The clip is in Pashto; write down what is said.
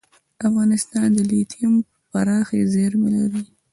افغانستان د لیتیم پراخې زیرمې لري.